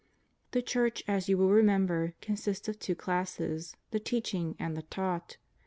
The Church, as you will remember, consists of two classes, the Teaching and the taught.